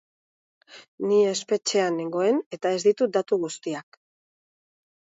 Ni espetxean nengoen eta ez ditut datu guztiak.